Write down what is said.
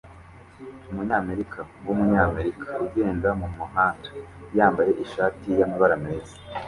Umunyamerika wumunyamerika ugenda mumuhanda yambaye ishati yamabara meza